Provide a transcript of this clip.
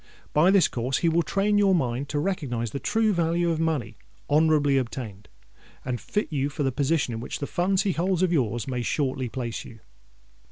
By this course he will train your mind to recognise the true value of money honourably obtained, and fit you for the position in which the funds he holds of your's may shortly place you."